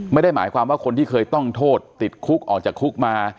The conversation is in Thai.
ไม่ได้หมายความว่าคนที่เคยต้องโทษติดคุกออกจากคุกมา